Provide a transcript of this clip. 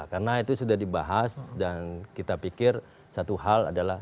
karena itu sudah dibahas dan kita pikir satu hal adalah